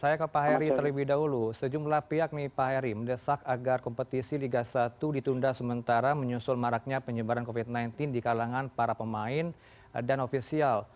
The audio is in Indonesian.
saya ke pak heri terlebih dahulu sejumlah pihak nih pak heri mendesak agar kompetisi liga satu ditunda sementara menyusul maraknya penyebaran covid sembilan belas di kalangan para pemain dan ofisial